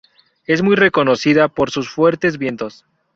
Es muy reconocida por sus fuertes vientos.